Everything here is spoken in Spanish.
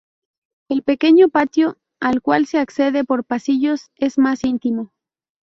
El pequeño patio al cual se accede por pasillos es más íntimo.